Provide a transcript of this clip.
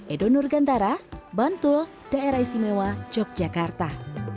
edo nurgantara bantul daerah istimewa yogyakarta